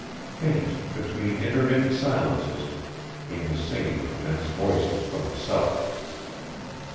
Faint, between intermittent silences, came the singing of men's voices from the south.